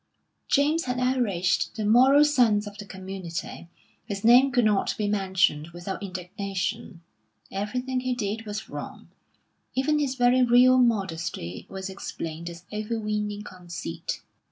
James had outraged the moral sense of the community; his name could not be mentioned without indignation; everything he did was wrong, even his very real modesty was explained as overweening conceit.